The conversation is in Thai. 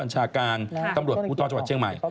ชาการตำรวจภูทรจังหวัดเชียงใหม่